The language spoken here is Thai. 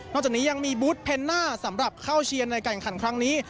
จากนี้ยังมีบูธเพนน่าสำหรับเข้าเชียร์ในการขันครั้งนี้